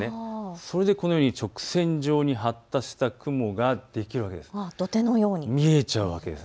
それで、このように直線上に発達した雲ができるんです。